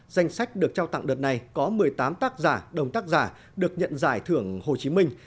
danh sách được trao tặng đợt này có một mươi tám tác giả đồng tác giả được nhận giải thưởng hồ chí minh